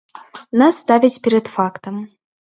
Нас ставяць перад фактам.